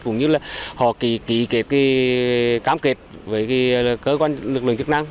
cũng như là họ ký kết cam kết với cơ quan lực lượng chức năng